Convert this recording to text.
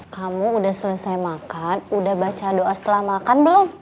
kamu udah selesai makan udah baca doa setelah makan belum